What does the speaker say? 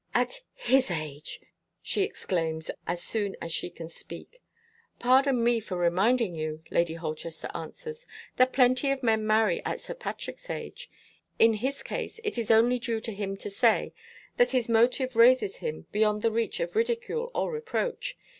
"At his age!" she exclaims, as soon as she can speak. "Pardon me for reminding you," Lady Holchester answers, "that plenty of men marry at Sir Patrick's age. In his case, it is only due to him to say that his motive raises him beyond the reach of ridicule or reproach.